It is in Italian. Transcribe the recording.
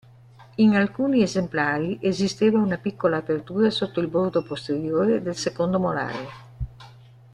In alcuni esemplari esisteva una piccola apertura sotto il bordo posteriore del secondo molare.